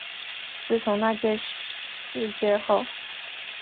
自从那事件后